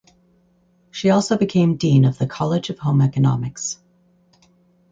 She also became Dean of the College of Home Economics.